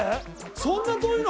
そんな遠いの？